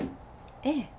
ええ。